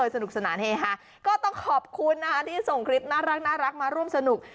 สนุกสนานเฮฮาก็ต้องขอบคุณนะคะที่ส่งคลิปน่ารักมาร่วมสนุก